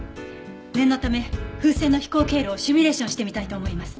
念のため風船の飛行経路をシミュレーションしてみたいと思います。